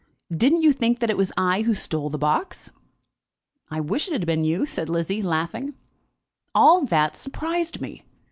Didn't you think that it was I who stole the box?" "I wish it had been you," said Lizzie laughing. "All that surprised me.